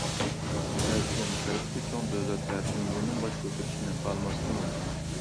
بەلكىم غەربتىكى چوڭ دۆلەتلەر جۇڭگونىڭ باش كۆتۈرۈشىنى خالىماسلىقى مۇمكىن.